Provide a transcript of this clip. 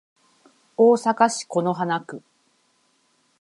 大阪市此花区